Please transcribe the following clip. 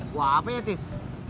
buah apa ya tis